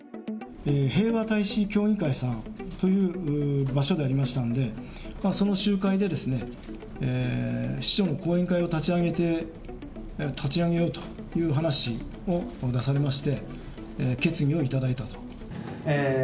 平和大使協議会さんという場所でありましたので、その集会で市長の後援会を立ち上げようという話を出されまして、決議をいただいたと。